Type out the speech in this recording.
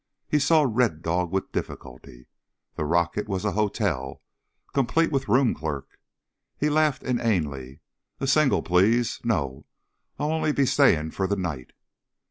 He saw Red Dog with difficulty. The rocket was a hotel, complete with room clerk. He laughed inanely. A Single, please. No, I'll only be staying for the night.